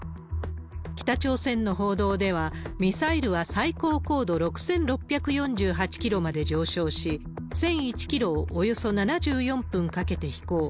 北朝鮮の報道では、ミサイルは最高高度６６４８キロまで上昇し、１００１キロをおよそ７４分かけて飛行。